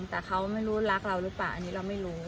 แต่เขาไม่รู้รักเราหรือเปล่าอันนี้เราไม่รู้